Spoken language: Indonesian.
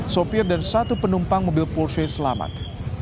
sopir dan satu penumpang mobil porsche selamat